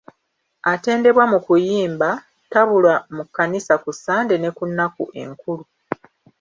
Atendebwa mu kuyimba, tabula mu kkanisa ku Sunday ne ku nnaku enkulu.